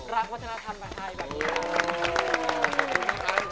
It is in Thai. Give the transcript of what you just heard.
รักวัฒนธรรมไทยแบบนี้